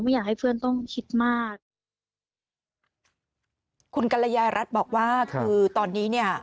อยากให้เพื่อนต้องคิดมากคุณกัลยารัฐบอกว่าคือตอนนี้เนี่ย